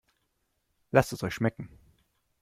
Lasst es euch schmecken!